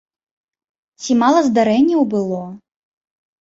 Ці мала здарэнняў было?